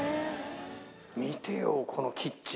見てよ、このキッチン。